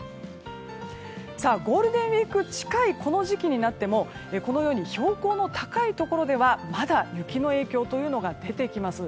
ゴールデンウィーク近いこの時期になってもこのように標高の高いところではまだ雪の影響が出てきます。